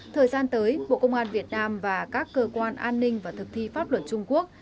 thời gian tới bộ công an việt nam và các cơ quan an ninh và thực thi pháp luật trung quốc